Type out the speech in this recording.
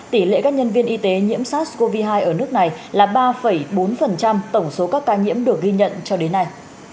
tỷ lệ các nhân viên y tế nhiễm sars cov hai ở nước này là ba bốn tổng số các ca nhiễm được ghi nhận cho đến nay